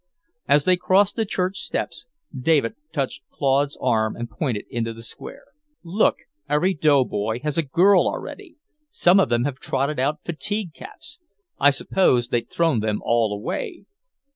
As they crossed the church steps, David touched Claude's arm and pointed into the square. "Look, every doughboy has a girl already! Some of them have trotted out fatigue caps! I supposed they'd thrown them all away!"